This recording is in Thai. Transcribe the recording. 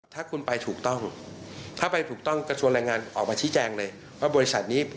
ถ้าคุณไปถูกต้องกระทรวณแรงงานออกมาที่แจงเลยว่าบริษัทนี้